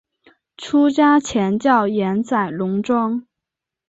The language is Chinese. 出家前叫岩仔龙庄。